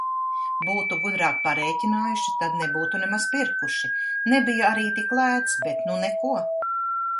Būtu gudrāk parēķinājuši, tad nebūtu nemaz pirkuši. Nebija arī tik lēts, bet nu neko.